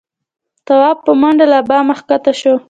تواب په منډه له بامه کښه شو.